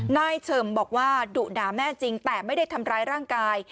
เฉิมบอกว่าดุด่าแม่จริงแต่ไม่ได้ทำร้ายร่างกาย